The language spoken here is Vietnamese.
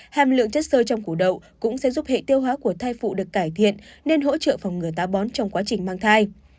hàm lượng chất sơ trong củ đậu cũng sẽ giúp hệ tiêu hóa của thai phụ được cải thiện nên hỗ trợ phòng ngừa tá bón trong quá trình mang thai